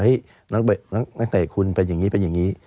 นักเตะคุณเป็นอย่างนี้เป็นอย่างนี้